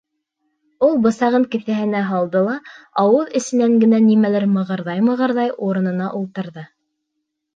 Ул бысағын кеҫәһенә һалды ла, ауыҙ эсенән генә нимәлер мығырҙай-мығырҙай, урынына ултырҙы.